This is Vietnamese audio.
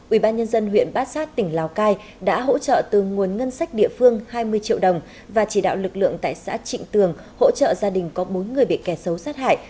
ubnd huyện bát sát tỉnh lào cai đã hỗ trợ từ nguồn ngân sách địa phương hai mươi triệu đồng và chỉ đạo lực lượng tại xã trịnh tường hỗ trợ gia đình có bốn người bị kẻ xấu sát hại